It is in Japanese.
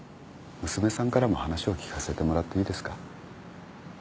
娘さんからも話を聞かせてもらっていいですか？